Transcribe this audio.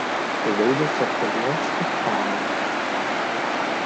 Raiders of the Lost Ark